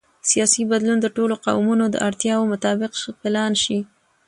سیاسي بدلون د ټولو قومونو د اړتیاوو مطابق پلان شي